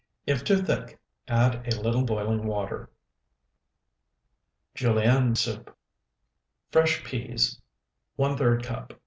If too thick, add a little boiling water. JULIENNE SOUP Fresh peas, ⅓ cup.